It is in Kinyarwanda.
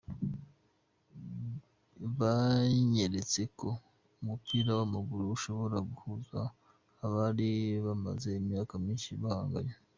Banyeretse ko umupira w’amaguru ushobora guhuza abari bamaze imyaka myinshi bahanganye.